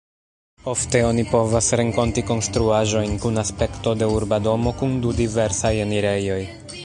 Ofte oni povas renkonti konstruaĵojn kun aspekto de urba domo, kun du diversaj enirejoj.